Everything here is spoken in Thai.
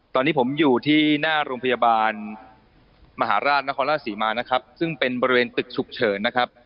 ตอนนี้ผมอยู่ที่หน้าโรงพยาบาลมหาราชนครราชศรีมานะครับซึ่งเป็นบริเวณตึกฉุกเฉินนะครับ